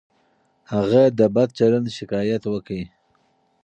هغه د بد چلند شکایت وکړ.